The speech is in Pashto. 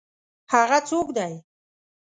هغه څوک دی؟